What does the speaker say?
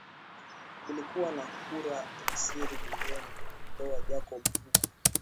kulikuwa na kura ya siri bungeni kumuondoa jacob zuma